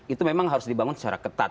itu memang harus dibangun secara ketat